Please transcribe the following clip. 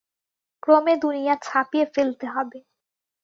ক্রমে দুনিয়া ছাপিয়ে ফেলতে হবে।